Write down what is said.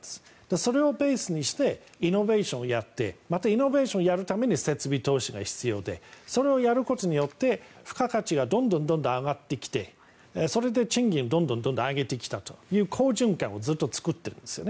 それをベースにしてイノベーションをやってまたイノベーションをやるために設備投資が必要でそれをやることによって付加価値がどんどん上がってきてそれで賃金をどんどん上げてきたという好循環をずっと作ってるんですね。